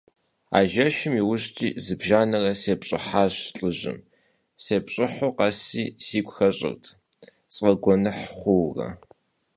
А жэщым и ужькӀи зыбжанэрэ сепщӀыхьащ лӀыжьым, сепщӀыхьыху къэси сигу хэщӀырт, сфӀэгуэныхь хъуурэ.